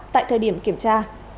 tại thời điểm kiểm tra